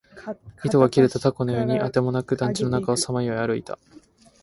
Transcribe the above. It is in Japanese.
糸が切れた凧のようにあてもなく、団地の中をさまよい歩いた